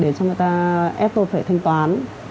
để cho người ta ép tôi phải thanh toán